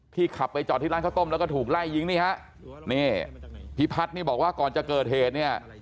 ขับไปจอดที่ร้านข้าวต้มแล้วก็ถูกไล่ยิงนี่ฮะนี่พิพัฒน์นี่บอกว่าก่อนจะเกิดเหตุเนี่ย